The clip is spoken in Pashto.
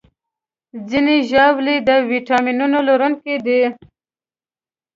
ځینې ژاولې د ویټامینونو لرونکي دي.